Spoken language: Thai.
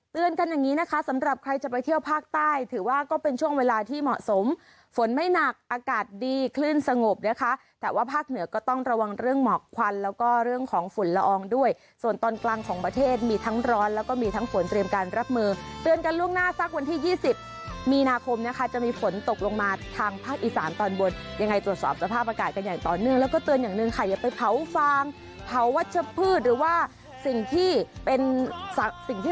เตือนกันอย่างนี้นะคะสำหรับใครจะไปเที่ยวภาคใต้ถือว่าก็เป็นช่วงเวลาที่เหมาะสมฝนไม่หนักอากาศดีคลื่นสงบนะคะแต่ว่าภาคเหนือก็ต้องระวังเรื่องหมอกควันแล้วก็เรื่องของฝุ่นละอองด้วยส่วนตอนกลางของประเทศมีทั้งร้อนแล้วก็มีทั้งฝนเตรียมการรับมือเตือนกันล่วงหน้าสักวันที่๒๐มีนาคมนะคะจะมีฝน